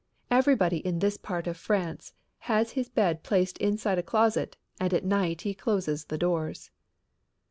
Everybody in this part of France has his bed placed inside a closet and at night he closes the doors.